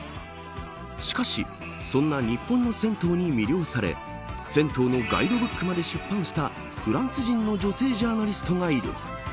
しかしそんな日本の銭湯に魅了され銭湯のガイドブックまで出版したフランス人の女性ジャーナリストがいる。